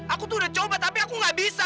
aku tuh udah coba tapi aku gak bisa